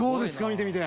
見てみて。